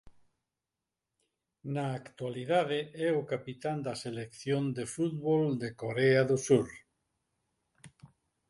Na actualidade é o capitán da Selección de fútbol de Corea do Sur.